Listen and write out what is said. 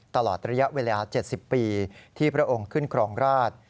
ตลอดระยะเวลา๗๐ปีที่พระองค์ขึ้นครองราช